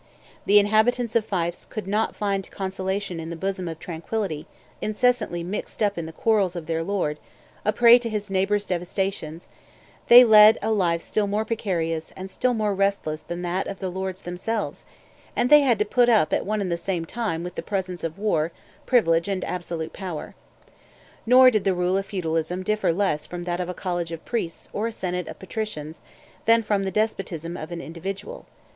The inhabitants of fiefs could not find consolation in the bosom of tranquillity; incessantly mixed up in the quarrels of their lord, a prey to his neighbors' devastations, they led a life still more precarious and still more restless than that of the lords themselves, and they had to put up at one and the same time with the presence of war, privilege, and absolute power. Nor did the rule of feudalism differ less from that of a college of priests or a senate of patricians than from the despotism of an individual.